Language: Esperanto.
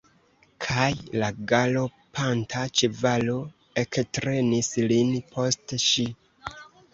Kaj la galopanta ĉevalo ektrenis lin post si.